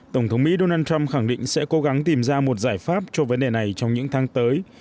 tổng thống mỹ donald trump khẳng định sẽ cố gắng tìm ra một giải pháp cho vấn đề này trong những tháng tới